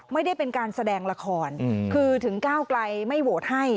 ไม่ได้เป็นการแสดงละครคือถึงก้าวไกลไม่โหวตให้